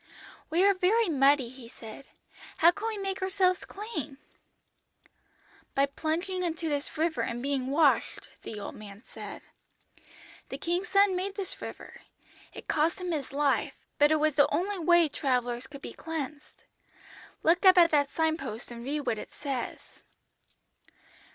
"'We are very muddy,' he said; 'how can we make ourselves clean?' "'By plunging into this river and being washed,' the old man said. 'The King's Son made this river. It cost Him His life, but it was the only way travellers could be cleansed. Look up at that sign post and read what it says.'